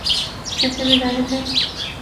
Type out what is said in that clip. ایسے میں ظاہر ہے۔